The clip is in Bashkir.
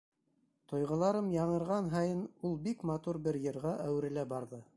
Тойғоларым яңырған һайын, ул бик матур бер йырга әүерелә барҙы.